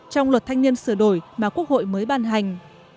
trong luật thanh niên sửa đổi mà quốc hội mới ban hành